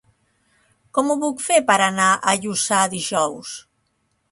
Com ho puc fer per anar a Lluçà dijous?